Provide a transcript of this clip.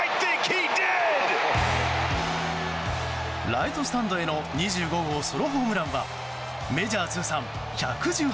ライトスタンドへの２５号ソロホームランはメジャー通算１１８本。